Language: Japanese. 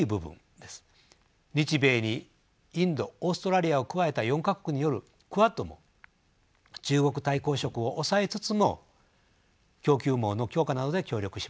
日米にインドオーストラリアを加えた４か国によるクアッドも中国対抗色を抑えつつも供給網の強化などで協力します。